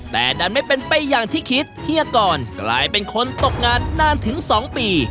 แต่ดันไม่เป็นไปอย่างที่คิดเฮียกรกลายเป็นคนตกงานนานถึง๒ปี